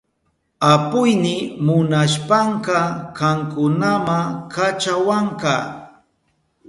Apuyni munashpanka kankunama kachawanka.